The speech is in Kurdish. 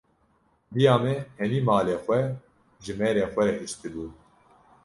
Diya me hemî malê xwe ji mêrê xwe re hişti bû.